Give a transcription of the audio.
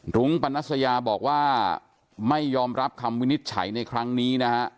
รุ้งปนัสยาบอกว่าไม่ยอมรับคำวินิจฉัยในครั้งนี้นะฮะ